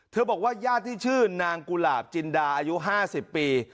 บอกว่าญาติที่ชื่อนางกุหลาบจินดาอายุ๕๐ปี